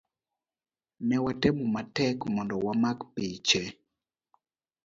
Ne watemo matek mondo wamak piche